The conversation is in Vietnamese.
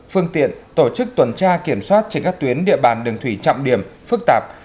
phương tiện tổ chức tuần tra kiểm soát trên các tuyến địa bàn đường thủy trọng điểm phức tạp